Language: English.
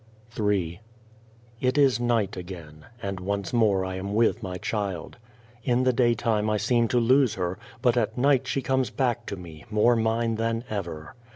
Ill IT is night again, and once more I am with my child. In the daytime I seem to lose her, but at night she comes back to me, more mine than ever.